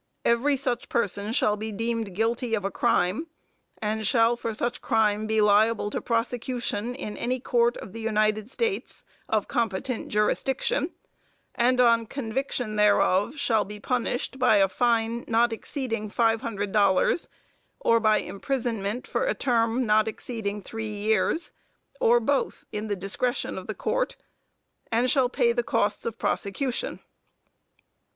every such person shall be deemed guilty of a crime, and shall for such crime be liable to prosecution in any court of the United States, of competent jurisdiction, and, on conviction thereof, shall be punished by a fine not exceeding $500 or by imprisonment for a term not exceeding three years, or both, in the discretion of the Court, and shall pay the costs of prosecution."